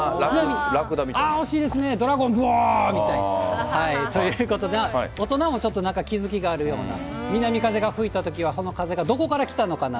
ああ惜しいですね、ドラゴン、ぶおー、みたいなのが、大人もちょっとなんか気づきがあるような、南風が吹いたときはこの風がどこから来たのかな？